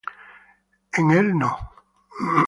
En el no.